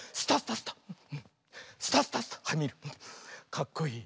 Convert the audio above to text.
かっこいい。